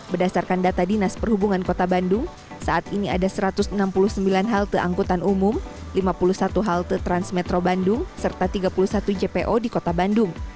berdasarkan data dinas perhubungan kota bandung saat ini ada satu ratus enam puluh sembilan halte angkutan umum lima puluh satu halte transmetro bandung serta tiga puluh satu jpo di kota bandung